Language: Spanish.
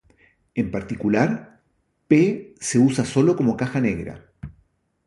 En particular, "P" se usa solo como caja negra.